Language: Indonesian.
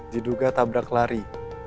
diduga tabrak lari